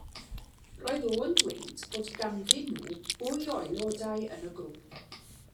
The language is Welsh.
Roedd o'n dweud bod ganddyn nhw fwy o aelodau yn y grŵp.